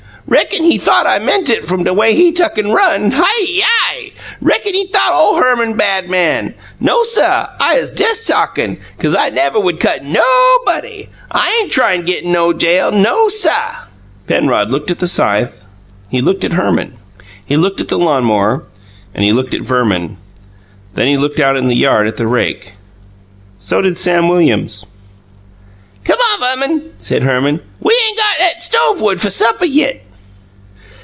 Reckon he thought I meant it, f'm de way he tuck an' run. Hiyi! Reckon he thought ole Herman bad man! No, suh! I uz dess talkin', 'cause I nev' would cut NObody! I ain' tryin' git in no jail NO, suh!" Penrod looked at the scythe: he looked at Herman. He looked at the lawn mower, and he looked at Verman. Then he looked out in the yard at the rake. So did Sam Williams. "Come on, Verman," said Herman. "We ain' go' 'at stove wood f' supper yit."